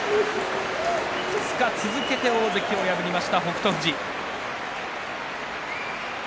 ２日続けて大関を破りました北勝富士です。